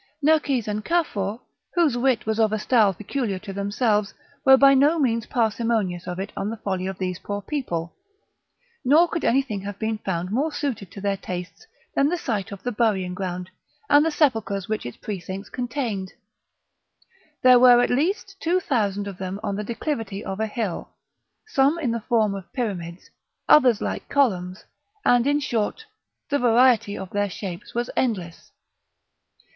Nerkes and Cafour, whose wit was of a style peculiar to themselves, were by no means parsimonious of it on the folly of these poor people, nor could anything have been found more suited to their tastes than the site of the burying ground, and the sepulchres which its precincts contained; there were at least two thousand of them on the declivity of a hill: some in the form of pyramids, others like columns, and, in short, the variety of their shapes was endless.